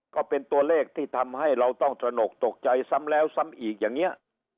ก็เป็นตัวเลขที่ทำให้เราต้องตระหนกตกใจซ้ำแล้วซ้ำอีกอย่างนี้